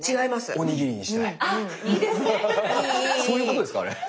そういうことですかあれ。